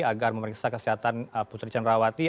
agar memeriksa kesehatan putri cenrawati